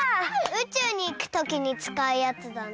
うちゅうにいくときにつかうやつだな。